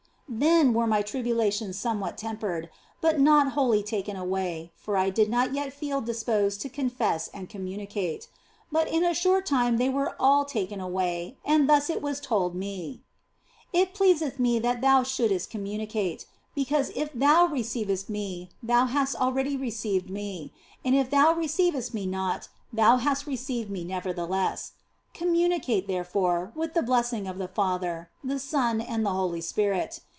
Then were my tribulations somewhat tempered, but not wholly taken away, for I did not yet feel disposed to confess and communicate. But in a short time they were all taken away and thus was it told me " It pleaseth Me that thou shouldst communicate because if thou receivest Me, thou hast already received Me, and if thou receivest Me not, thou hast received Me nevertheless. Communicate, therefore, with the bless ing of the Father, the Son, and the Holy Spirit.